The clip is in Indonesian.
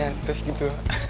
ya terus gitu